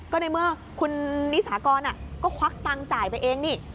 ก็ในเมื่อคุณนิสากรก็ควักตังค์จ่ายไปเองนี่